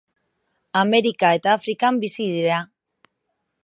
Amerika eta Afrikan bizi dira.